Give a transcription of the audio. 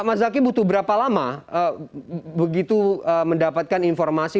mas zaky butuh berapa lama begitu mendapatkan informasi